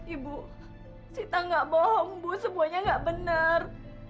ibu sita gak bohong bu semuanya gak bener